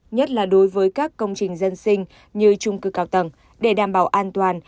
nhất là đối với các công trình dân sinh như trung cư cao tầng để đảm bảo an toàn